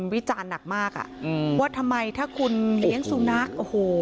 วิจารณ์หนักมากอ่ะอืมว่าทำไมถ้าคุณเลี้ยงสุนัขโอ้โห